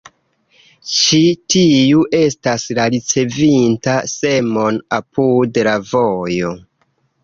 Ĉi tiu estas la ricevinta semon apud la vojo.